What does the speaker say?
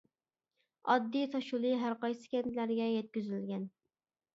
ئاددىي تاشيولى ھەر قايسى كەنتلەرگە يەتكۈزۈلگەن.